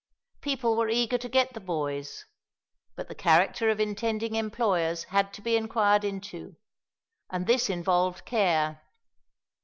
People were eager to get the boys, but the character of intending employers had to be inquired into, and this involved care.